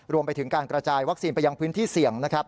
รวมไปถึงการกระจายวัคซีนไปยังพื้นที่เสี่ยงนะครับ